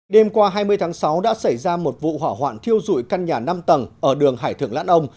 đêm qua hai mươi tháng sáu đã xảy ra một vụ hỏa hoạn thiêu dụi căn nhà năm tầng ở đường hải thượng lãn ông